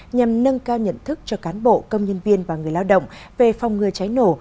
nhằm nâng cao nhận thức cho cán bộ công nhân viên và người lao động về phòng ngừa cháy nổ